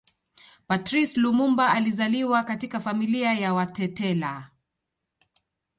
Patrice Lumumba alizaliwa katika familia ya Watetela